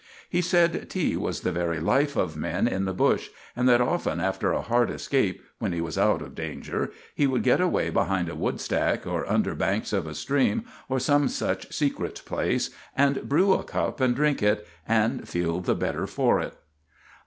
He said tea was the very life of men in the bush, and that often after a hard escape, when he was out of danger, he would get away behind a woodstack or under banks of a stream, or some such secret place, and brew a cup and drink it, and feel the better for it.